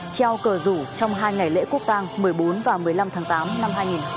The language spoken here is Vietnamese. treo cờ rủ trong hai ngày lễ quốc tàng một mươi bốn và một mươi năm tháng tám năm hai nghìn hai mươi